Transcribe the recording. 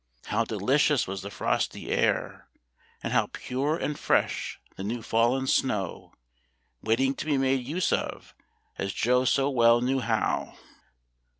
How delicious was the frosty air, and how pure and fresh the new fallen snow, waiting to be made use of as Joe so well knew how!